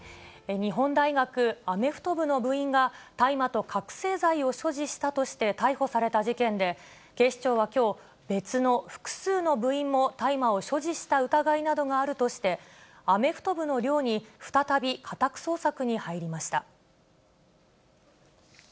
日本大学アメフト部の部員が、大麻と覚醒剤を所持したとして逮捕された事件で、警視庁はきょう、別の複数の部員も大麻を所持した疑いなどがあるとして、アメフト部の寮に再び家宅捜索に入りました。